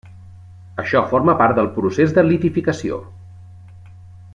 Això forma part del procés de litificació.